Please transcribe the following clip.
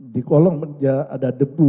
di kolong ada debu